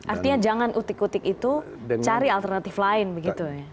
artinya jangan utik utik itu cari alternatif lain begitu ya